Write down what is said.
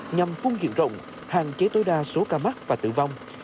nhằm phun diện rộng hạn chế tối đa số ca mắc và tử vong